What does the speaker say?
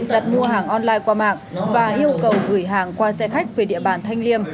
đặt mua hàng online qua mạng và yêu cầu gửi hàng qua xe khách về địa bàn thanh liêm